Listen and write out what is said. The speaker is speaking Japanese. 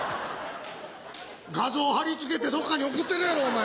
画像貼り付けてどっかに送ってるやろうお前。